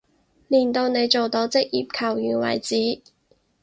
練到你做到職業球員為止